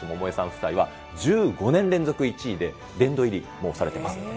夫婦は１５年連続１位で殿堂入りもされています。